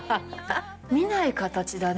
見ない形だね